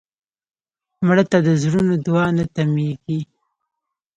مړه ته د زړونو دعا نه تمېږي